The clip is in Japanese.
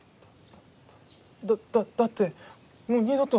だだだってもう二度と。